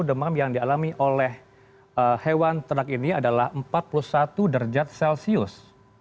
demam yang dialami oleh hewan ternak ini adalah empat puluh satu derajat celcius